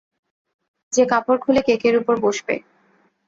যে কাপড় খুলে কেকের উপর বসবে।